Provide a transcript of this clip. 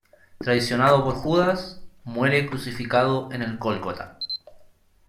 Traicionado por Judas, muere crucificado en el Gólgota.